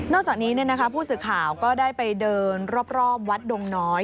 นอกจากนี้เนี่ยนะคะผู้สือข่าวก็ได้ไปเดินรอบวัดดงน้อย